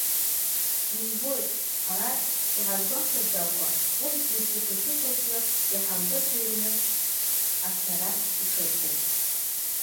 Избоит, ҳара иҳазгәамҭаӡакәа, урҭ зегьы хәыҷы-хәыҷла иҳампыҵыҩрны ацара ишаҿу.